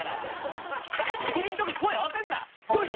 湯切りの時に声合わせんな「よいしょ！」じゃないんだよ。